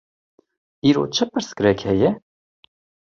Îro çi pirsgirêk heye?